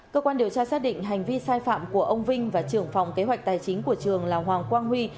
cơ quan điều tra xác định hành vi sai phạm của ông vinh và trưởng phòng kế hoạch tài chính của trường là hoàng quang huy